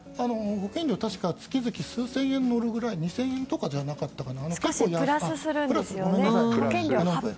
保険料は確か月々数千円とか２０００円とかじゃなかったかな。